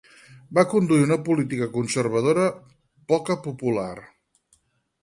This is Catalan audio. Va conduir una política conservadora poca popular.